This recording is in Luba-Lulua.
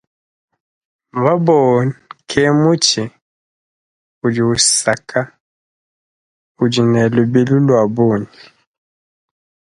Bamboo ke mutshi udi usaka udi ne lubilu lua bungi.